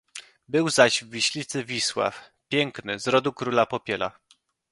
"Był zaś w Wiślicy Wisław Piękny, z rodu króla Popiela."